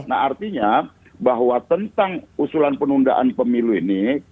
nah artinya bahwa tentang usulan penundaan pemilu ini